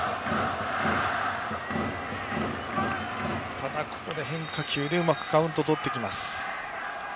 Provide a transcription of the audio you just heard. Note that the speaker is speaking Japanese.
ただ、変化球でうまくカウントをとってきます。